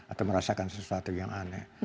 atau merasakan sesuatu yang aneh